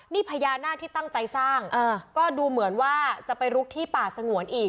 นี่พญานาคที่ตั้งใจสร้างก็ดูเหมือนว่าจะไปลุกที่ป่าสงวนอีก